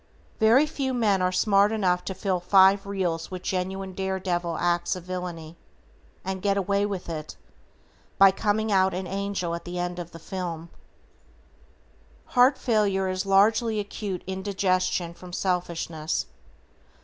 Very few men are smart enough to fill five reels with genuine dare devil acts of villainy, and get away with it, by coming out an angel at the end of the film. Heart failure is largely acute indigestion from selfishness.